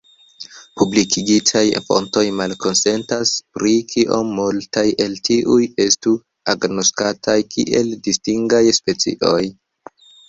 Publikigitaj fontoj malkonsentas pri kiom multaj el tiuj estu agnoskataj kiel distingaj specioj.